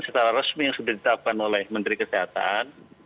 secara resmi yang sudah ditetapkan oleh menteri kesehatan